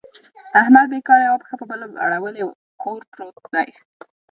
احمد بېکاره یوه پښه په بله اړولې کور پورت دی.